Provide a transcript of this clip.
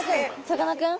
さかなクン。